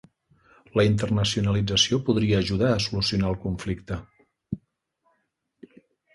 La internacionalització podria ajudar a solucionar el conflicte